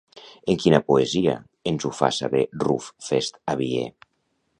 En quina poesia ens ho fa saber Ruf Fest Aviè?